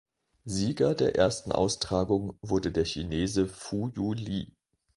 Sieger der ersten Austragung wurde der Chinese Fuyu Li.